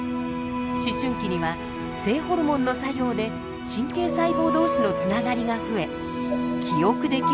思春期には性ホルモンの作用で神経細胞同士のつながりが増え記憶できる容量が増大するのです。